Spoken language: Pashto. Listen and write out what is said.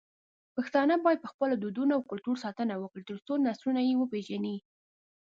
پښتانه بايد په خپلو دودونو او کلتور ساتنه وکړي، ترڅو نسلونه يې وپېژني.